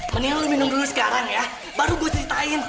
mendingan lo minum dulu sekarang ya baru gue ceritain